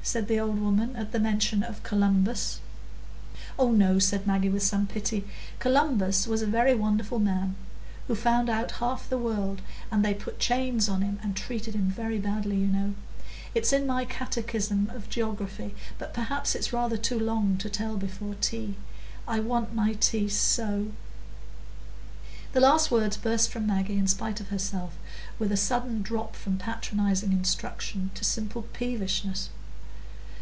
said the old woman, at the mention of Columbus. "Oh, no!" said Maggie, with some pity; "Columbus was a very wonderful man, who found out half the world, and they put chains on him and treated him very badly, you know; it's in my Catechism of Geography, but perhaps it's rather too long to tell before tea—I want my tea so." The last words burst from Maggie, in spite of herself, with a sudden drop from patronizing instruction to simple peevishness.